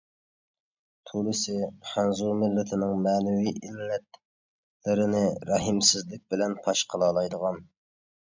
تولىسى خەنزۇ مىللىتىنىڭ مەنىۋى ئىللەتلىرىنى رەھىمسىزلىك بىلەن پاش قىلالايدىغان.